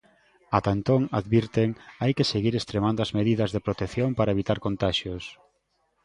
Ata entón advirten: hai que seguir extremando as medidas de protección para evitar contaxios.